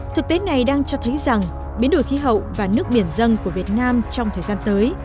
thực tế này đang cho thấy rằng biến đổi khí hậu và nước biển dân của việt nam trong thời gian tới